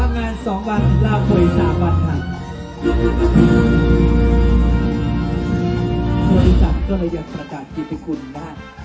นักงาน๒วันลาเผย๓วันค่ะ